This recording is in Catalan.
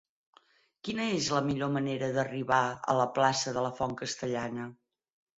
Quina és la millor manera d'arribar a la plaça de la Font Castellana?